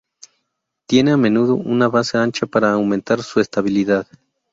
Tiene a menudo una base ancha para aumentar su estabilidad.